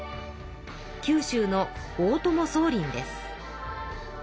九州の大友宗麟です。